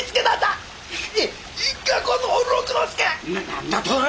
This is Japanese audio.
何だと！